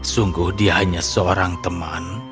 sungguh dia hanya seorang teman